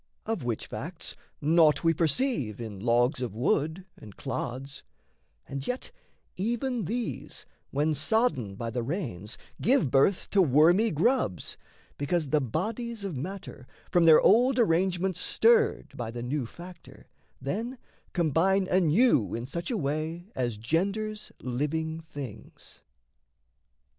Of which facts Naught we perceive in logs of wood and clods; And yet even these, when sodden by the rains, Give birth to wormy grubs, because the bodies Of matter, from their old arrangements stirred By the new factor, then combine anew In such a way as genders living things.